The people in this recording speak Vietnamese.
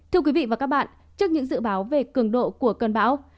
thưa quý vị và các bạn trước những dự báo về cường độ của cơn bão